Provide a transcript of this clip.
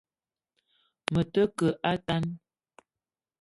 Me te ke a tan